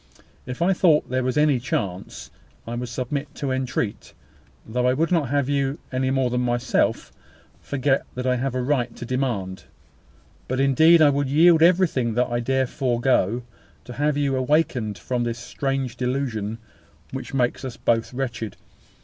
If I thought there was any chance, I would submit to entreat, though I would not have you, any more than myself, forget that I have a right to demand. But indeed I would yield everything that I dare forego, to have you awakened from this strange delusion which makes us both wretched.